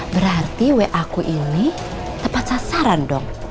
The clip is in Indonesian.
berarti wa aku ini tepat sasaran dong